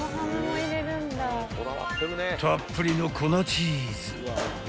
［たっぷりの粉チーズ］